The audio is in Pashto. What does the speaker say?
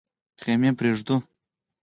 خېمې پرېږدو.